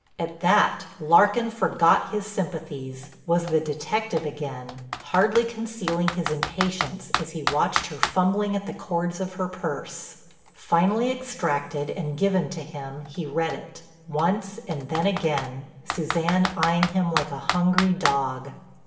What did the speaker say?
At that Larkin forgot his sympathies, was the detective again, hardly concealing his impatience as he watched her fumbling at the cords of her purse. Finally extracted and given to him he read it, once and then again, Suzanne eyeing him like a hungry dog.